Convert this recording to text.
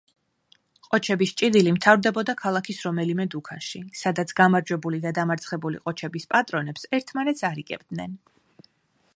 ყოჩების ჭიდილი მთავრდებოდა ქალაქის რომელიმე დუქანში, სადაც გამარჯვებული და დამარცხებული ყოჩების პატრონებს ერთმანეთს „არიგებდნენ“.